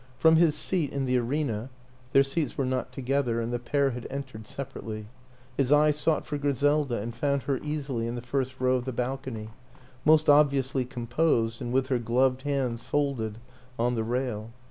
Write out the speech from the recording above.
From his seat in the arena (their seats were not together and the pair had entered separately) his eye sought for Griselda and found her easily in the first row of the balcony most obviously composed and with her gloved hands folded on the rail.